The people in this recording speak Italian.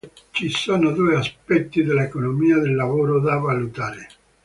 Ci sono due aspetti dell'economia del lavoro da valutare.